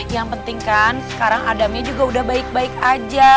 yang penting kan sekarang adamnya juga udah baik baik aja